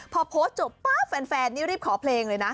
พอโพสต์จบป๊าบแฟนนี่รีบขอเพลงเลยนะ